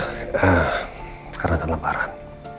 sekarang kan lebaran